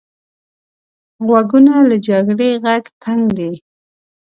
غوږونه له جګړې غږ تنګ دي